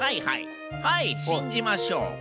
はいしんじましょう。